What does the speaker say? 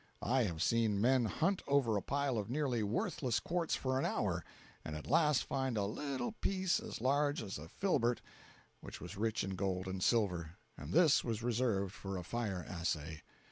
I have seen men hunt over a pile of nearly worthless quartz for an hour, and at last find a little piece as large as a filbert, which was rich in gold and silver—and this was reserved for a fire assay!